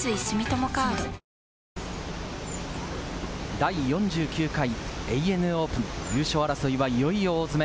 第４９回ＡＮＡオープン、優勝争いはいよいよ大詰め。